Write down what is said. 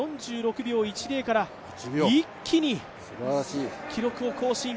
４５秒１０から一気に記録を更新。